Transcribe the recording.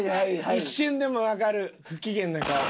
一瞬でもわかる不機嫌な顔。